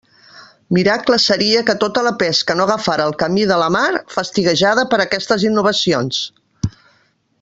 Miracle seria que tota la pesca no agafara el camí de la mar, fastiguejada per aquestes innovacions!